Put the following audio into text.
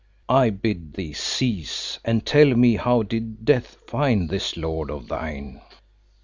I bid thee cease, and tell me how did death find this lord of thine?"